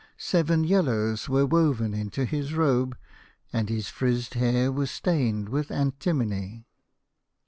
Seven yellows were woven into his robe, and his frizzed hair was stained with antimony.